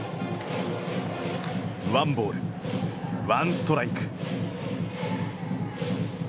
ワンボールワンストライク。